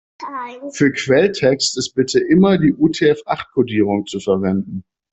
Für Quelltext ist bitte immer die UTF-acht-Kodierung zu verwenden.